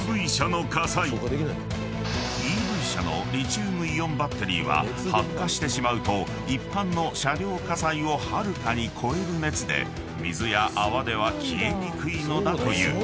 ［ＥＶ車のリチウムイオンバッテリーは発火してしまうと一般の車両火災をはるかに超える熱で水や泡では消えにくいのだという］